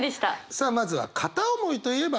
さあまずは片思いといえばあの曲。